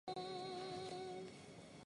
香藜是苋科藜属的植物。